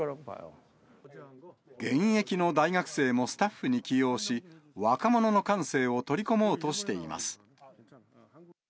現役の大学生もスタッフに起用し、若者の感性を取り込もうとしています。